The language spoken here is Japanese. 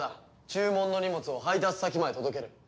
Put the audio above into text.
注文の荷物を配達先まで届ける。